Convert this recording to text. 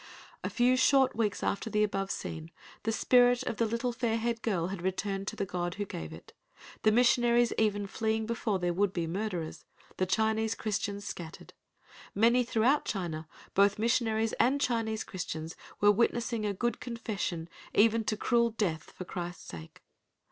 A few short weeks after the above scene the spirit of the little fair haired child had returned to the God who gave it, the missionaries even fleeing before their would be murderers—the Chinese Christians scattered. Many throughout China, both missionaries and Chinese Christians were witnessing a good confession even to cruel death for Christ's sake.